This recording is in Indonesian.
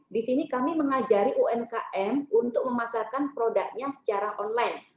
di sini kami mengajari umkm untuk memasarkan produknya secara online